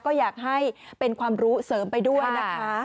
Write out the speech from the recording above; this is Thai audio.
ก็อยากให้เป็นความรู้เสริมไปด้วยนะคะ